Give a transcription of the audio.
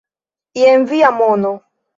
Jen via mono